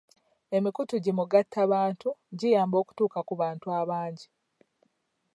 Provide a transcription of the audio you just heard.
Emikutu gi mugattabantu giyamba okutuuka ku bantu abangi.